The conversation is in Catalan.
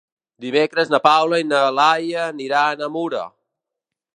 Dimecres na Paula i na Laia aniran a Mura.